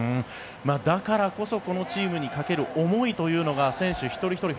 だからこそこのチームにかける思いというのが選手一人ひとり